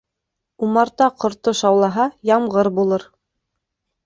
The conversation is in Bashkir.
Умарта ҡорто шаулаһа, ямғыр булыр.